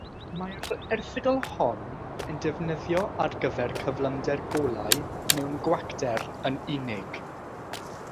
Mae'r erthygl hon yn defnyddio ar gyfer cyflymder golau mewn gwacter un unig.